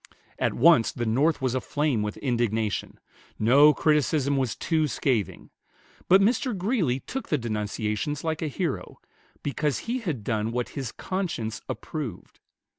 At once the North was aflame with indignation. No criticism was too scathing; but Mr. Greeley took the denunciations like a hero, because he had done what his conscience approved.